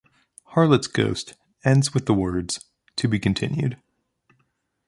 "Harlot's Ghost" ends with the words "To be continued.